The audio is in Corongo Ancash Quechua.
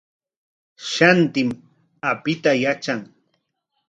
Shantim apita yatran.